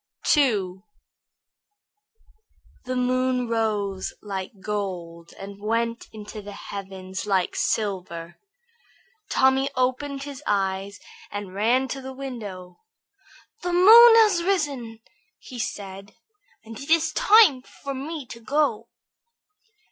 II The moon rose like gold and went up in the heavens like silver. Tommy opened his eyes and ran to the window. "The moon has risen," said he, "and it is time for me to go."